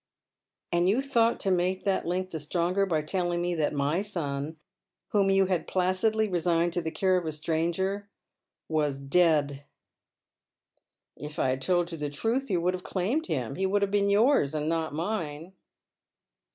" And you thought to make that link the stronger by telling me that my son, whom you Lad placidly resigned to the care of % stranger, was dead." S^4 t)cad Men's SJioes. " If I had told you the truth you would Lave claimed him. He would have been yours, and not mine."